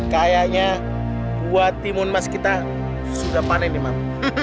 mam kayaknya buah timun mas kita sudah panen nih mam